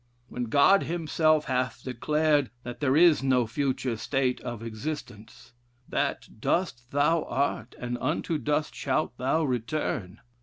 'When God himself hath declared, that there is no future state of existence: that 'Dust thou art, and unto dust shalt thou return.'